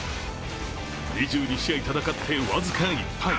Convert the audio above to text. ２２試合戦って僅か１敗。